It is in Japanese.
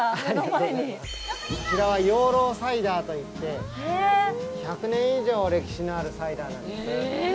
こちらは養老サイダーといって、１００年以上歴史のあるサイダーなんです。